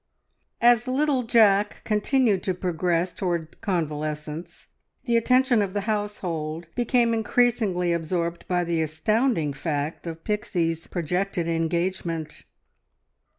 As little Jack continued to progress towards convalescence, the attention of the household became increasingly absorbed by the astounding fact of Pixie's projected engagement.